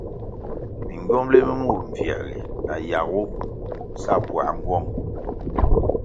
Mingywomli mi mur mbvierli na yagu sa puáh nğuong.